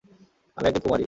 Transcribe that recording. আমি একজন কুমারী।